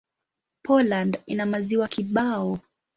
Poland ina maziwa kibao.